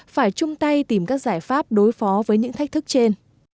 phải chung tay tìm các giải pháp đối phó với những thách thức trên